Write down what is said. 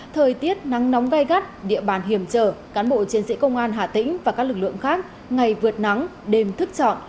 thời tiết nắng nóng gai gắt địa bàn hiểm trở cán bộ chiến sĩ công an hà tĩnh và các lực lượng khác ngày vượt nắng đêm thức chọn